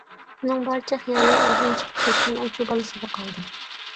ئۇنىڭ بارچە خىيالى ئۆيدىن چىقىپ كەتكەن ئاشۇ بالىسىدا قالدى.